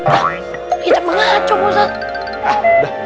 kita mengacau ustaz